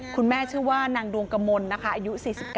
คุณแม่ชื่อว่านางดวงกมลนะคะอายุ๔๙